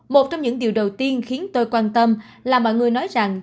một trong những điều đầu tiên khiến tôi quan tâm là mọi người nói rằng